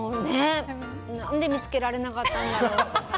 何で見つけられなかったんだろう。